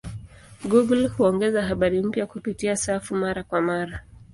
Google huongeza habari mpya kupitia safu mara kwa mara.